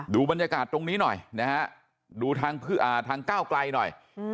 ดูบรรยากาศตรงนี้หน่อยนะฮะดูทางก้าวไกลหน่อย